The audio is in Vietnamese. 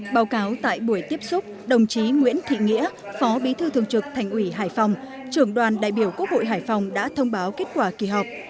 báo cáo tại buổi tiếp xúc đồng chí nguyễn thị nghĩa phó bí thư thường trực thành ủy hải phòng trưởng đoàn đại biểu quốc hội hải phòng đã thông báo kết quả kỳ họp